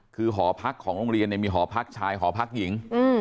คือหอพักของโรงเรียนมีหอพักชายหอพักหญิง